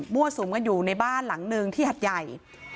มั่วสูงกันอยู่ในบ้านหลังนึงที่หัดใหญ่